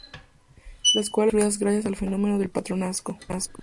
Las cuales eran construidas gracias al fenómeno del patronazgo.